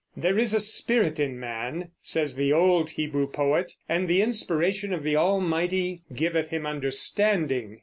"There is a spirit in man," says the old Hebrew poet, "and the inspiration of the Almighty giveth him understanding."